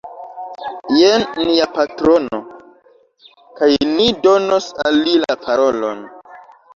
Jen nia patrono, kaj ni donos al li la parolon